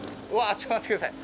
ちょっと待って下さい。